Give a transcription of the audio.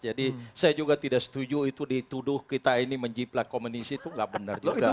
jadi saya juga tidak setuju itu dituduh kita ini menjiplak komunis itu tidak benar juga